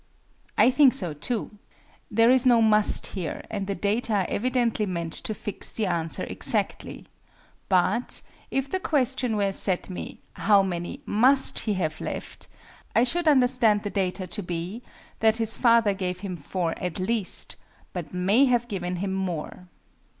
I think so too. There is no "must" here, and the data are evidently meant to fix the answer exactly: but, if the question were set me "how many must he have left?", I should understand the data to be that his father gave him 4 at least, but may have given him more.